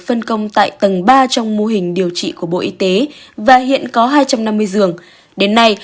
phân công tại tầng ba trong mô hình điều trị của bộ y tế và hiện có hai trăm năm mươi giường đến nay